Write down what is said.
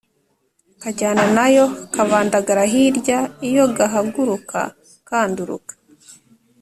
kajyana na yo kabandagara hirya iyo gahaguruka kanduruka